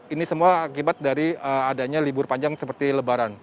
ini semua akibat dari adanya libur panjang seperti lebaran